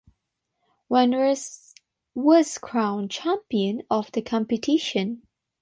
Wanderers was crowned champion of the competition.